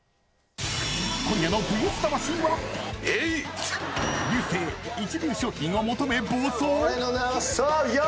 今夜の「ＶＳ魂」は流星、一流商品を求め暴走。